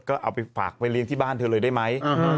ก็เอาไปฝากไปเลี้ยงที่บ้านเธอเลยได้ไหม